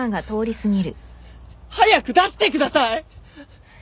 早く出してください！